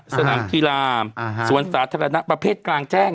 สนามกีฬาสวนสาธารณะประเภทกลางแจ้ง